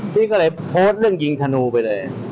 พี่ก็เลยโพสต์เรื่องยิงธนูไปเลย